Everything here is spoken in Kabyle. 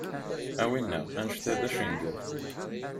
A wina, anect-a d acangel.